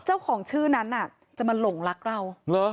เจ้าของชื่อนั้นจะมาหลงรักเราเหรอ